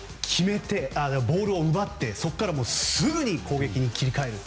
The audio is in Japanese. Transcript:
ボールを奪ってそこからすぐに攻撃に切り替えると。